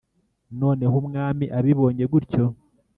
noneho umwami abibonye gutyo,